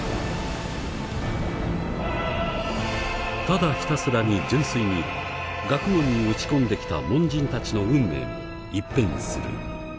ただひたすらに純粋に学問に打ち込んできた門人たちの運命も一変する。